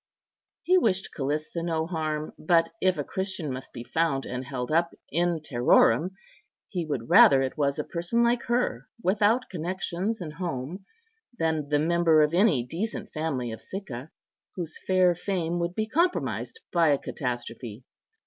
He wished Callista no harm, but, if a Christian must be found and held up in terrorem, he would rather it was a person like her, without connections and home, than the member of any decent family of Sicca, whose fair fame would be compromised by a catastrophe.